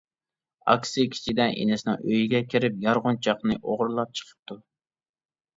ئاكىسى كېچىدە ئىنىسىنىڭ ئۆيىگە كىرىپ يارغۇنچاقنى ئوغرىلاپ چىقىپتۇ.